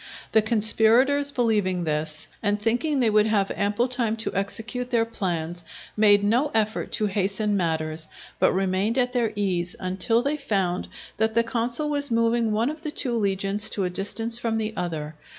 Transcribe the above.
The conspirators believing this, and thinking they would have ample time to execute their plans, made no effort to hasten matters, but remained at their ease, until they found that the consul was moving one of the two legions to a distance from the other.